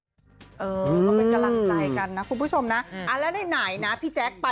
เหมือนชาวบ้างแหละ